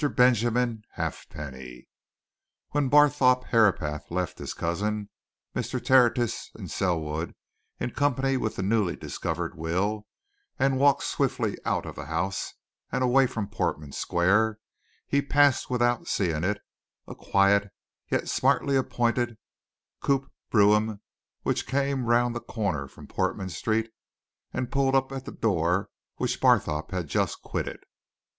BENJAMIN HALFPENNY When Barthorpe Herapath left his cousin, Mr. Tertius, and Selwood in company with the newly discovered will, and walked swiftly out of the house and away from Portman Square, he passed without seeing it a quiet, yet smartly appointed coupé brougham which came round the corner from Portman Street and pulled up at the door which Barthorpe had just quitted.